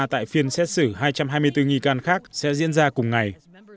tại phiên xét xử hai trăm hai mươi bốn nghi can khác sẽ diễn ra cùng ngày